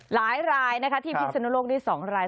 หลายรายที่พิศนุโลกได้๒ราย